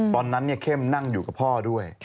ตอนนั้นเข้มนั่งอยู่กับพ่อด้วย